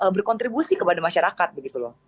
berkontribusi kepada masyarakat begitu loh